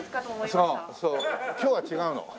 そうそう今日は違うの。